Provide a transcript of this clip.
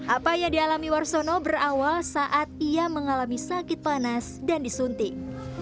apa yang dialami warsono berawal saat ia mengalami sakit panas dan disuntik